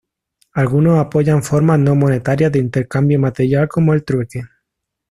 Algunos apoyan formas no monetarias de intercambio material como el trueque.